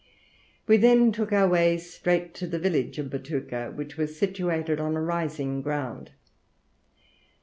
We then took our way straight to the village of Bitouka, which was situated on a rising ground.